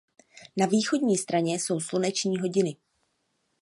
Na východní straně jsou sluneční hodiny.